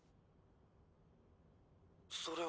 「それは」。